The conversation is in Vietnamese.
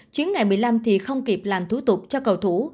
chuyến ngày một mươi năm thì không kịp làm thú tục cho cầu thủ